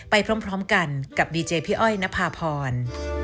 ไปพร้อมกันกับดีเจพี่อ้อยนภาพร